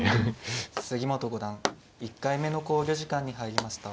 杉本五段１回目の考慮時間に入りました。